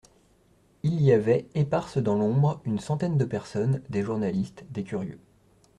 Il y avait, éparses dans l'ombre, une centaine de personnes, des journalistes, des curieux.